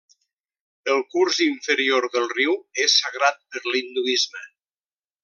El curs inferior del riu és sagrat per l'Hinduisme.